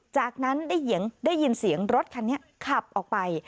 จากนั้นได้ยินเสียงรถคันนี้ขับออกไป